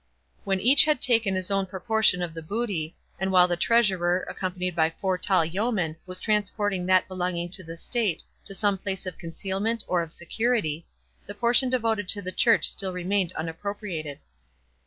When each had taken his own proportion of the booty, and while the treasurer, accompanied by four tall yeomen, was transporting that belonging to the state to some place of concealment or of security, the portion devoted to the church still remained unappropriated.